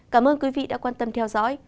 cảm ơn quý vị đã quan tâm theo dõi